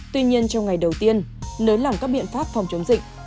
tuy nhiên trong ngày đầu tiên nới lỏng các biện pháp phòng chống dịch